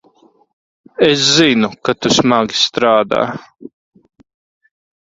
Es zinu, ka tu smagi strādā.